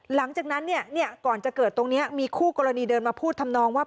หลังจากนั้นเนี่ยก่อนจะเกิดตรงนี้มีคู่กรณีเดินมาพูดทำนองว่า